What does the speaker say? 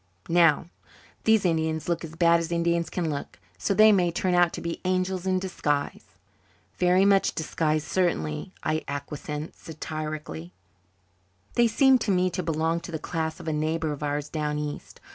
Now, these Indians look as bad as Indians can look so they may turn out to be angels in disguise." "Very much disguised, certainly," I acquiesced satirically. "They seem to me to belong to the class of a neighbour of ours down east.